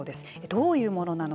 どういうものなのか。